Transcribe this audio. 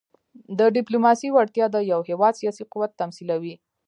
د ډيپلوماسۍ وړتیا د یو هېواد سیاسي قوت تمثیلوي.